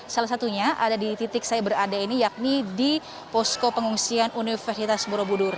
salah satunya ada di titik saya berada ini yakni di posko pengungsian universitas borobudur